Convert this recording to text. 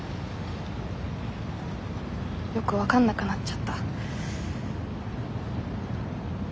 よく分かんなくなっちゃった。